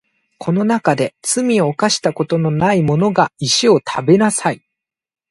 この中で罪を犯したことのないものが石を食べなさい